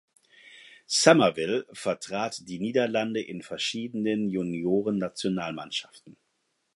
Summerville vertrat die Niederlande in verschiedenen Juniorennationalmannschaften.